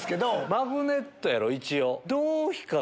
マグネットやろ一応。